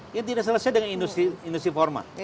dia tidak selesai dengan industri formal